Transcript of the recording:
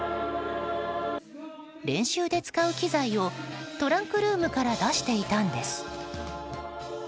練習で使う機材をトランクルームから出していたんです。